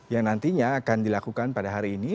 yang nantinya akan dilakukan pada hari ini